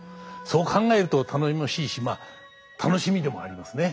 そう考えると頼もしいし楽しみでもありますね。